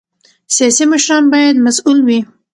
سیاسي مشران باید مسؤل وي